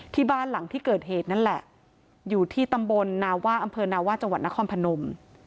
ที่บ้านหลังที่เกิดเหตุนั่นแหละอยู่ที่ตำบลนาว่าอำเภอนาว่าจังหวัดนครพนม